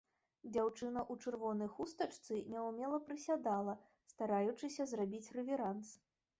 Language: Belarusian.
Дзяўчына ў чырвонай хустачцы няўмела прысядала, стараючыся зрабіць рэверанс.